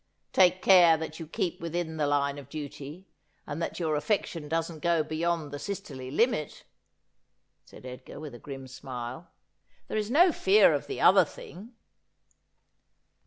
' Take care that you keep within the line of duty, and that your afEection doesn't go beyond the sisterly limit,' said Edgar, with a grim smile. ' There is no fear of the other thing.'